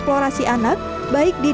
pertanyaan dari penulis